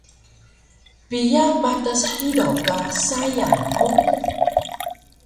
Piya patas hidaw ka sayang hug?